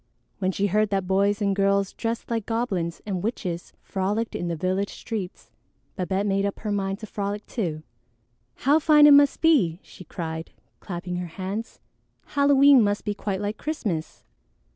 When she heard that boys and girls dressed like goblins and witches frolicked in the village streets, Babette made up her mind to frolic too. "How fine it must be!" she cried, clapping her hands. "Halloween must be quite like Christmas!"